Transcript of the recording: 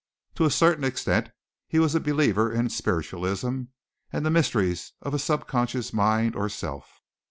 To a certain extent he was a believer in spiritualism and the mysteries of a subconscious mind or self.